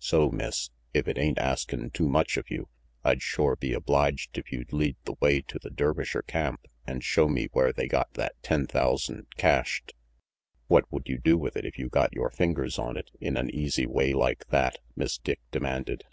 So, Miss, if it ain't askin' too much of you, I'd shore be obliged if you'd lead the way to the Dervisher camp an' show me where they got that ten thousand cached." "What would you do with it, if you got your fingers on it in an easy way like that?" Miss Dick demanded.